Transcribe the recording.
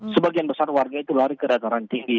sebagian besar warga itu lari ke dataran tinggi